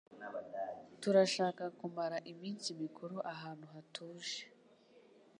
Turashaka kumara iminsi mikuru ahantu hatuje.